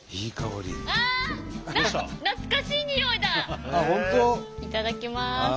いただきます！